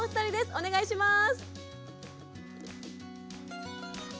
お願いします。